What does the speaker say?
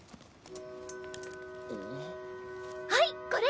はいこれ。